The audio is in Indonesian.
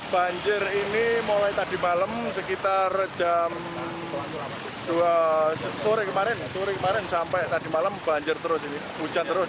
banjir ini mulai tadi malam sekitar jam dua sore kemarin sore kemarin sampai tadi malam banjir terus ini hujan terus